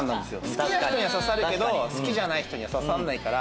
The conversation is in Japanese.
好きな人には刺さるけど好きじゃない人には刺さらないから。